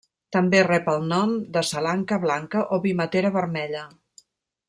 També rep el nom de salanca blanca o vimetera vermella.